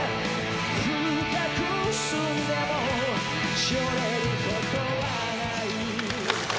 「深く澄んでもう萎れることはない」